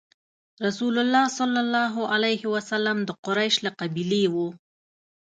رسول الله ﷺ د قریش له قبیلې وو.